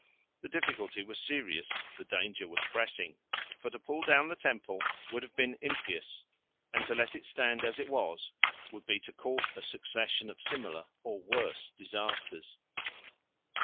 The difficulty was serious, the danger was pressing; for to pull down the temple would have been impious, and to let it stand as it was would be to court a succession of similar or worse disasters.